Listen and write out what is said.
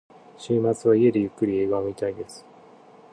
週末は家でゆっくり映画を見たいです。